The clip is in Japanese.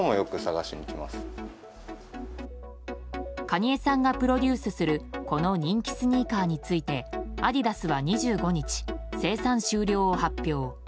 カニエさんがプロデュースするこの人気スニーカーについてアディダスは２５日生産終了を発表。